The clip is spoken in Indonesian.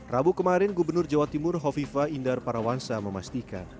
rabu kemarin gubernur jawa timur hovifa indar parawansa memastikan